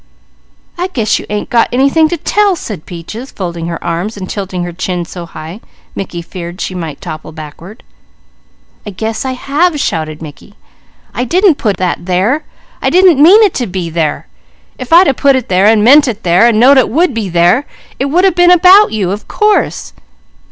"I guess you ain't got anything to tell," said Peaches, folding her arms and tilting her chin so high Mickey feared she might topple backward. "I guess I have!" shouted Mickey. "I didn't put that there! I didn't mean it to be there! If I'd a put it there, and meant it there, and knowed it would be there, it would a been about you, of course!